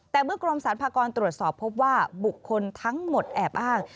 แต่เมื่อกรมสารพากรตรวจสอบพบว่าบุคคลทั้งหมดแอบอ้าง